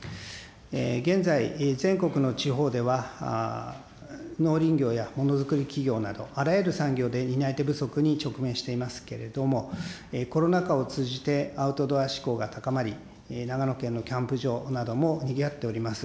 現在、全国の地方では、農林業やものづくり企業など、あらゆる産業で担い手不足に直面していますけれども、コロナ禍を通じてアウトドア志向が高まり、長野県のキャンプ場なども、にぎわっております。